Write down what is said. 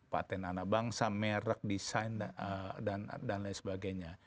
patent anak bangsa merek desain dan lain sebagainya